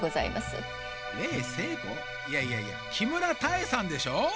いやいやいや木村多江さんでしょ？